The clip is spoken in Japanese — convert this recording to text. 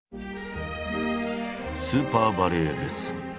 「スーパーバレエレッスン」。